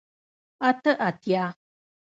اته اتیا